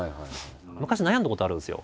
昔悩んだことあるんですよ。